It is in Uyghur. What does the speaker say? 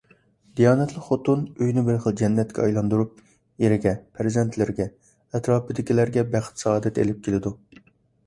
دىيانەتلىك خوتۇن ئۆينى بىر خىل جەننەتكە ئايلاندۇرۇپ، ئېرىگە، پەرزەنتلىرىگە، ئەتراپىدىكىلەرگە بەخت-سائادەت ئېلىپ كېلىدۇ.